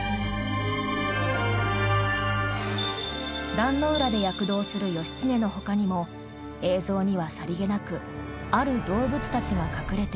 壇ノ浦で躍動する義経のほかにも映像にはさりげなくある動物たちが隠れています。